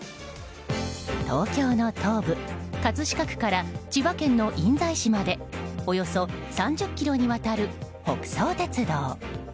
東京の東部・葛飾区から千葉県の印西市までおよそ３０ｋｍにわたる北総鉄道。